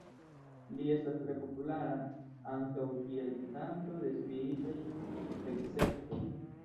Li estas tre populara ankaŭ kiel gvidanto de spiritaj ekzercoj.